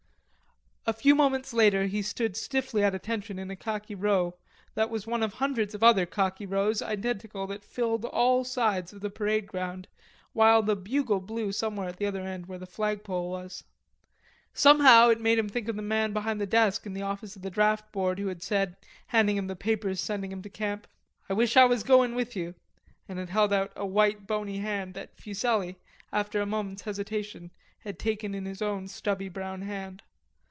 A few moments later he stood stiffly at attention in a khaki row that was one of hundreds of other khaki rows, identical, that filled all sides of the parade ground, while the bugle blew somewhere at the other end where the flag pole was. Somehow it made him think of the man behind the desk in the office of the draft board who had said, handing him the papers sending him to camp, "I wish I was going with you," and had held out a white bony hand that Fuselli, after a moment's hesitation, had taken in his own stubby brown hand.